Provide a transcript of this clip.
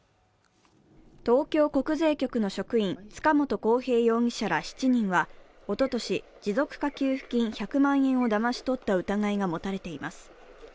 東京国税局の職員、塚本晃平容疑者ら７人は、おととし、持続化給付金１００万円をだまし取った疑いが持たれています。